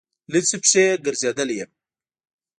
لوڅې پښې ګرځېدلی یم.